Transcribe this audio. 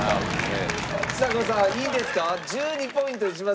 ちさ子さんいいんですか？